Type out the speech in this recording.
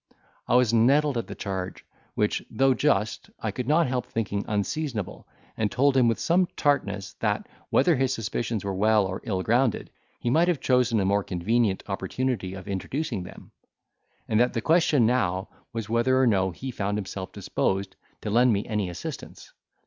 I was nettled at the charge, which, though just, I could not help thinking unseasonable, and told him with some tartness that, whether his suspicions were well or ill grounded, he might have chosen a more convenient opportunity of introducing them; and that the question now was whether or no he found himself disposed to lend me any assistance.